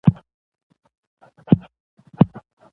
زما کتابونه هغه دوستان دي، چي هيڅکله مانه پرېږي.